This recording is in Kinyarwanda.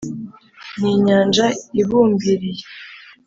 ni inyanja ibumbiriye,